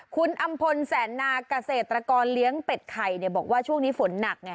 คุณอำพลแสนนาเกษตรกรเลี้ยงเป็ดไข่บอกว่าช่วงนี้ฝนหนักไง